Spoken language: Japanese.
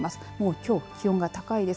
きょう気温が高いです。